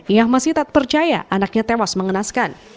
ia masih tak percaya anaknya tewas mengenaskan